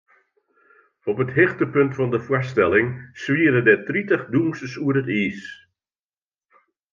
Op it hichtepunt fan de foarstelling swiere der tritich dûnsers oer it iis.